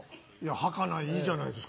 はかないいいじゃないですか。